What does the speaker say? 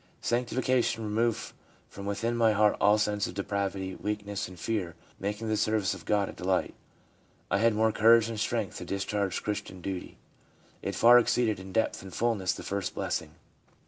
Sanctification removed from within my heart all sense of depravity, weakness and fear, making the service of God a delight. I had more courage and strength to discharge Christian duty. It far exceeded in depth and fulness the first blessing.'